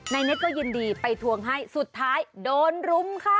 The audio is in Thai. เน็ตก็ยินดีไปทวงให้สุดท้ายโดนรุมค่ะ